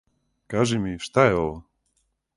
Кажи ми, шта је ово?